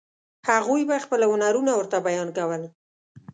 هغوی به خپل هنرونه ورته بیان کول.